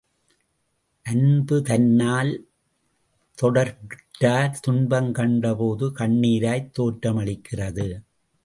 அன்புதன்னால் தொடர்புற்றார் துன்பங் கண்டபோது கண்ணிராய்த் தோற்றமளிக்கிறது.